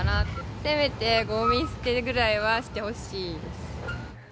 せめてごみ捨てぐらいはしてほしいです。